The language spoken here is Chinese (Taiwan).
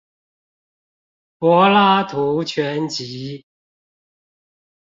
柏拉圖全集